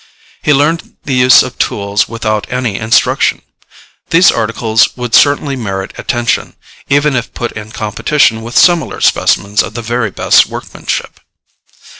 He learned the use of tools without any instruction. These articles would certainly merit attention, even if put in competition with similar specimens of the very best workmanship.